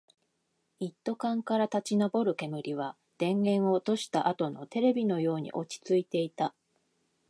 一斗缶から立ち上る煙は、電源を落としたあとのテレビのように落ち着いていた